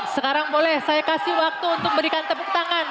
sekarang boleh saya kasih waktu untuk memberikan tepuk tangan